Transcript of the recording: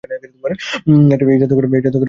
এই জাদুকরের কথাই বলছিলাম আমি।